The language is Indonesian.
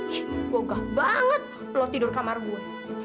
ih gogah banget lo tidur kamar gue